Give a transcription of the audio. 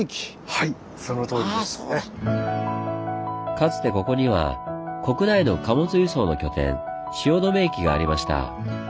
かつてここには国内の貨物輸送の拠点汐留駅がありました。